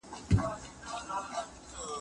وه ساده! ستا د اوبو نه دی، د سراب جنګ دی